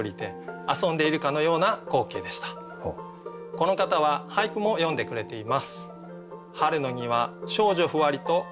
この方は俳句も詠んでくれています。